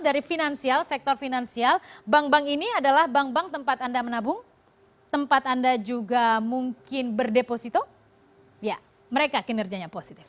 dari finansial sektor finansial bank bank ini adalah bank bank tempat anda menabung tempat anda juga mungkin berdeposito ya mereka kinerjanya positif